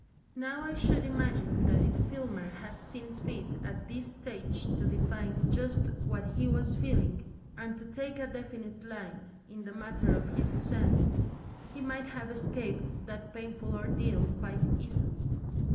Now I should imagine that if Filmer had seen fit at this stage to define just what he was feeling, and to take a definite line in the matter of his ascent, he might have escaped that painful ordeal quite easily.